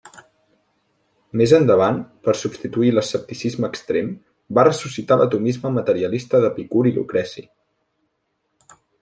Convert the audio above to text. Més endavant, per substituir l'escepticisme extrem, va ressuscitar l'atomisme materialista d'Epicur i Lucreci.